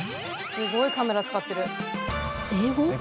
「すごいカメラ使ってる」「英語？」